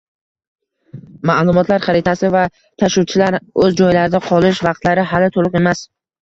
Ma'lumotlar xaritasi va tashuvchilar o'z joylarida qolish vaqtlari hali to'liq emas